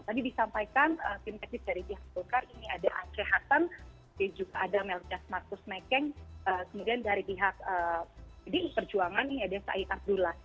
tadi disampaikan tim teknis dari pihak golkar ini ada angke hasan ada melcas markus mekeng kemudian dari pihak pdi perjuangan ini ada said abdullah